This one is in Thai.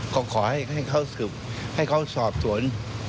ก็ขอให้เขาสอบสวน